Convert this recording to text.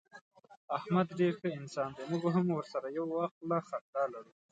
احمد ډېر ښه انسان دی. موږ هم ورسره یوه خوله خندا لرو.